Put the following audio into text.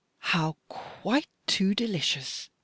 "How quite too delicious!